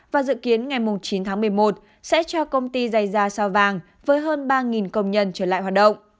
và dự kiến ngày chín tháng một mươi một sẽ cho công ty dày da sao vàng với hơn ba công nhân trở lại hoạt động